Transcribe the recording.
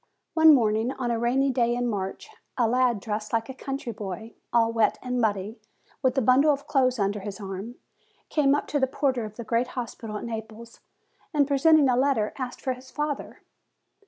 One morning, on a rainy day in March, a lad dressed like a country boy, all wet and muddy, with a bundle of clothes under his arm, came up to the porter of the great hospital at Naples, and, presenting a letter, asked for his father.